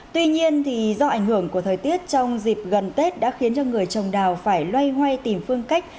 tuy nhiên do ảnh hưởng của thời tiết trong dịp gần tết đã khiến cho người trồng đào phải loay hoay tìm phương cách